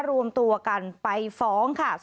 รวมตัวกันไปฟ้องค่ะ